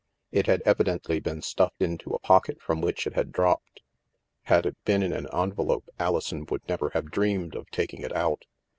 It had evidently been stuffed into a pocket from which it had dropped. Had it been in an envelope, Alison would never have dreamed of taking it out.